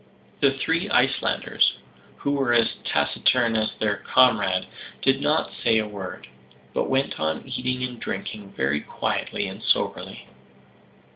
The three Icelanders, who were as taciturn as their comrade, did not say a word; but went on eating and drinking very quietly and soberly.